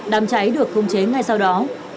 đàm cháy được không chế ngay sau đó